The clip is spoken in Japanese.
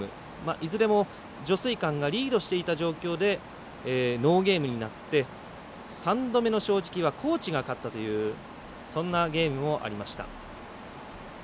いずれも如水館がリードしていた状況でノーゲームになって三度目の正直は高知が勝ったというそんなゲームもありました。